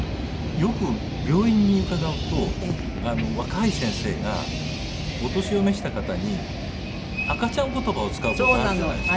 よく病院に伺うと若い先生がお年を召した方に赤ちゃん言葉を使う事ってあるじゃないですか。